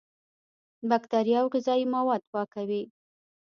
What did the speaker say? بکتریا او غذایي مواد پاکوي.